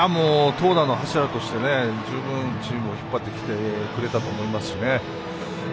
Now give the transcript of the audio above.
投打の柱として十分、チームを引っ張ってきてくれたと思います。